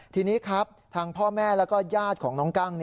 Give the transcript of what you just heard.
ที่นี้ครับทางพ่อแม่และยาดของน้องกัง